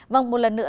vâng một lần nữa